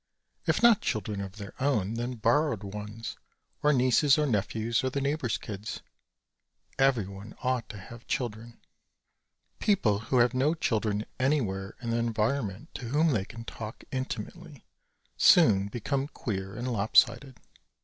If not children of their own, then borrowed ones or nieces or nephews or the neighbor's kids. Everyone ought to have children. People who have no children anywhere in their environment to whom they can talk intimately soon become queer and lop sided.